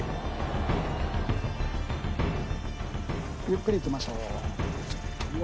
ゆっくり行きましょう。